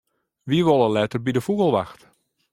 Wy wolle letter by de fûgelwacht.